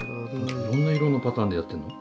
いろんな色のパターンでやってんの？